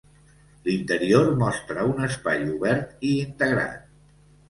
L'interior mostra un espai obert i integrat.